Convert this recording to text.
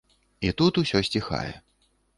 І тут усё сціхае.